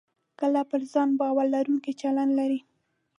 کله پر ځان باور لرونکی چلند لرئ